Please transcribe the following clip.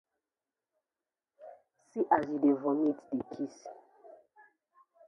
See as yu dey vomit dey kdis.